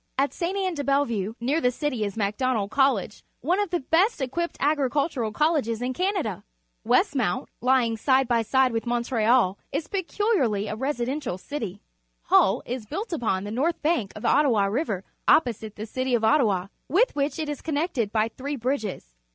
At Ste. Anne dc Bellevue, near the 96 PUBLIC SCHOOL GEOGR.APHY cityj_is Macdonald Co llege, one of the best equipped agricultural colleges in Canada. Westmount, Ij'ing side by side with Montreal, is peculiarly a residential city. Hull is built upon the north bank of the Ottawa River opposite the city of Ottawa, with which it is connected by three bridges.